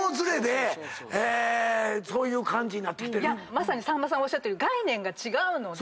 まさにさんまさんおっしゃってる概念が違うので。